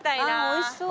おいしそう。